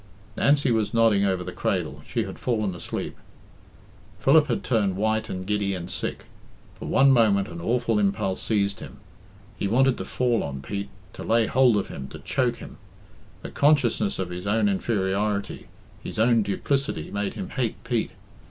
Nancy was nodding over the cradle she had fallen asleep. Philip had turned white and giddy and sick. For one moment an awful impulse seized him. He wanted to fall on Pete; to lay hold of him, to choke him. The consciousness of his own inferiority, his own duplicity, made him hate Pete.